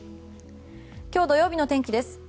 今日、土曜日の天気です。